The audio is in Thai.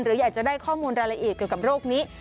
หรืออยากจะได้ข้อมูลรายละเอียดเกี่ยวกับโรคนี้